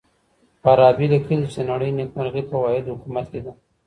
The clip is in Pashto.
فارابي ليکلي دي چي د نړۍ نېکمرغي په واحد حکومت کي ده.